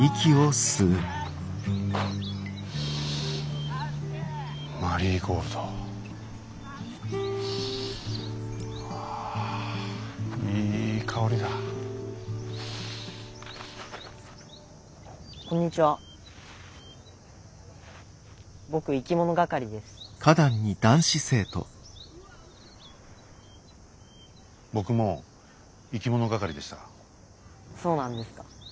そうなんですか。